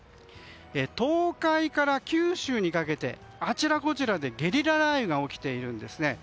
東海から九州にかけてあちらこちらでゲリラ雷雨が起きているんです。